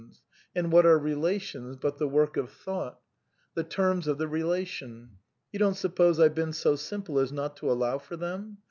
^, and what are relations but the work of thought ? The terms of the re lation ? You don't suppose I've been so simple as not to allow for them?